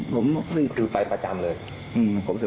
ผมที่อยู่วัลนี้สึกไป